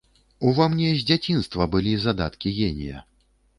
Ува мне з дзяцінства былі задаткі генія.